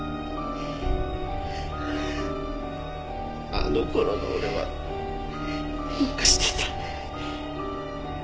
あの頃の俺はどうかしてた。